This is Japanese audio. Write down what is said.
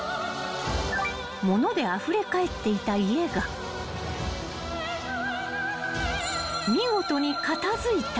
［物であふれ返っていた家が見事に片付いた］